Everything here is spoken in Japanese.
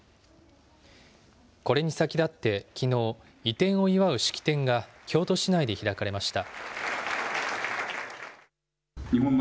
これに先立ってきのう、移転を祝う式典が京都市内で開かれました。